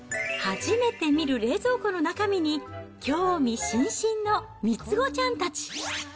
初めて見る冷蔵庫の中身に興味津々の３つ子ちゃんたち。